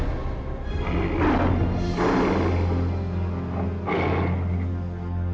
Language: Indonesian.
kayak sujar itu gak mempan